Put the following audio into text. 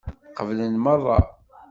Qeblen meṛṛa.